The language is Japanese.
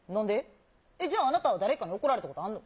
じゃああなたは誰かに怒られたことあるの？